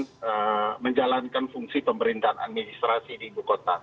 untuk menjalankan fungsi pemerintahan administrasi di ibu kota